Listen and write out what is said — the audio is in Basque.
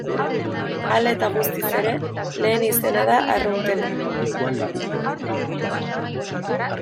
Hala eta guztiz ere, lehen izena da arruntena.